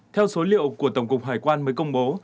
theo số liệu của tổng cục hải quan mới công bố